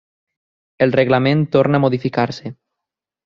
El reglament torna a modificar-se.